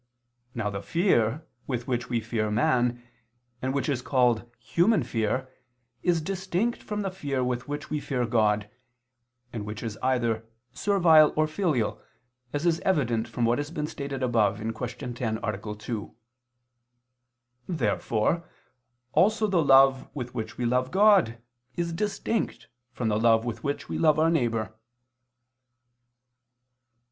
Now the fear with which we fear man, and which is called human fear, is distinct from the fear with which we fear God, and which is either servile or filial, as is evident from what has been stated above (Q. 10, A. 2). Therefore also the love with which we love God, is distinct from the love with which we love our neighbor.